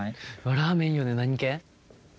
ラーメンいいよね何系？